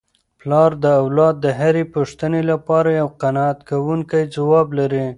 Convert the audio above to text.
پلار د اولاد د هرې پوښتني لپاره یو قناعت کوونکی ځواب لري.